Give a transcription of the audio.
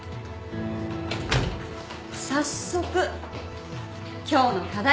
早速今日の課題。